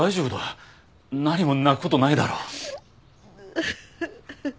何も泣く事ないだろ。